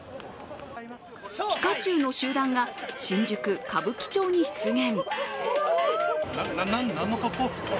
ピカチュウの集団が、新宿・歌舞伎町に出現。